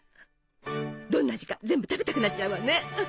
どんな味か全部食べたくなっちゃうわね。